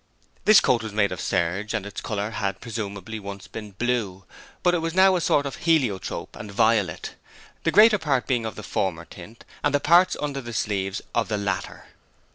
This coat was made of serge, and its colour had presumably once been blue, but it was now a sort of heliotrope and violet: the greater part being of the former tint, and the parts under the sleeves of the latter.